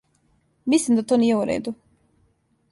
Мислим да то није у реду.